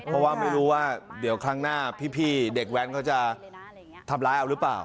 เพราะว่าไม่รู้ว่าเดี๋ยวครั้งหน้าพี่เด็กแว้นเขาจะทำร้ายเอาหรือเปล่า